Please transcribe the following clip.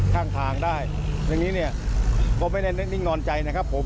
ข้างทางได้อย่างนี้เนี่ยก็ไม่ได้นึกนิ่งนอนใจนะครับผม